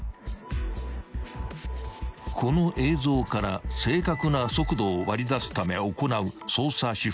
［この映像から正確な速度を割り出すため行う捜査手法